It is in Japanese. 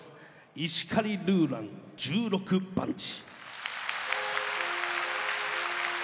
「石狩ルーラン十六番地」。